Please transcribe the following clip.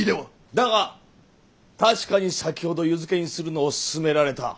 だが確かに先ほど湯漬けにするのを勧められた。